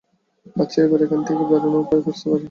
আচ্ছা, এবার এখান থেকে বেরোনোর উপায় খুঁজতে পারি?